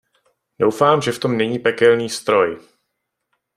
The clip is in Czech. Doufám, že v tom není pekelný stroj.